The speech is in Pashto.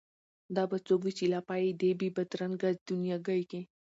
دا به څوک وي چي لا پايي دې بې بد رنګه دنیاګۍ کي